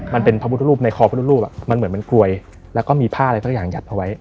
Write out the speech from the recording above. มันเป็นพระพุทธรูปในคอพระพุทธรูปมันเหมือนเป็นกลวยแล้วก็มีผ้าอะไรสักอย่างหยัดเอาไว้